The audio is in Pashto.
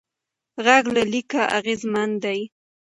غږ له لیکه اغېزمن دی.